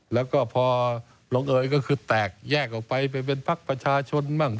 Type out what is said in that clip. แล้วก็พอลงเอยก็คือแตกแยกออกไปไปเป็นพักประชาชนบ้าง